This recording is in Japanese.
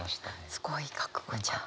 すごい覚悟じゃん。